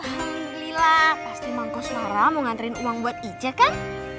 alhamdulillah pasti mangkos lara mau nganterin uang buat ija kan